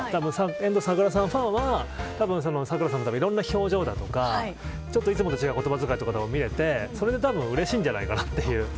ファンはさくらさんのいろんな表情だとかいつもと違う言葉遣いとか見れてそれで多分うれしいんじゃないかなっていう。